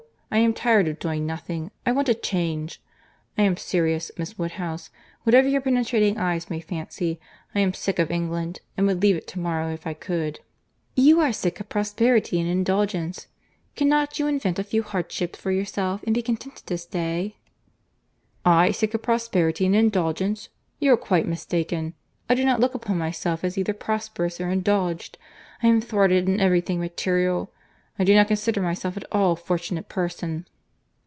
I am tired of doing nothing. I want a change. I am serious, Miss Woodhouse, whatever your penetrating eyes may fancy—I am sick of England—and would leave it to morrow, if I could." "You are sick of prosperity and indulgence. Cannot you invent a few hardships for yourself, and be contented to stay?" "I sick of prosperity and indulgence! You are quite mistaken. I do not look upon myself as either prosperous or indulged. I am thwarted in every thing material. I do not consider myself at all a fortunate person."